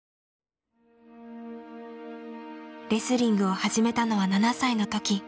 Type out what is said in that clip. レスリングを始めたのは７歳の時。